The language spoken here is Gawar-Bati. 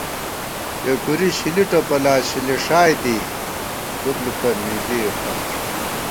ٹېکُوری شِلی ٹوپَلات شلِݭائےدِی لُپلُپہ نِلِئےفار